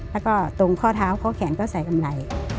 แล้วก็ตรงข้อเท้าข้อแขนก็ใส่กำไร